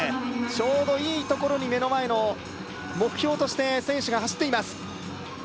ちょうどいい所に目の前の目標として選手が走っています